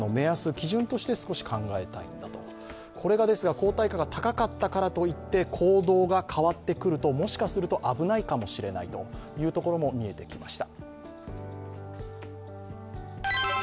抗体価が高かったからといって行動が変わってくると、もしかすると危ないかもしれないよというところも見えてきました。